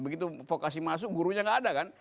begitu vokasi masuk gurunya nggak ada kan